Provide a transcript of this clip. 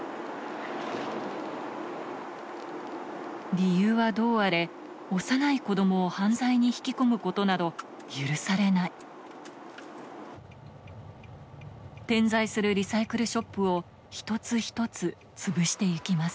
理由はどうあれ幼い子供を犯罪に引き込むことなど許されない点在するリサイクルショップを一つ一つつぶして行きます